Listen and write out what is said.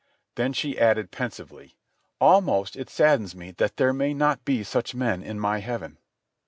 Then she added pensively, "Almost it saddens me that there may not be such men in my heaven."